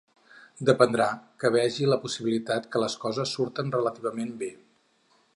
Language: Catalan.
Dependrà que vegi la possibilitat que les coses surten relativament bé.